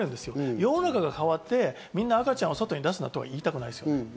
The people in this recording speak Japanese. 世の中が変わって、みんな赤ちゃんを外に出すなとは言いたくない。